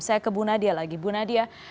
saya ke ibu nadia lagi ibu nadia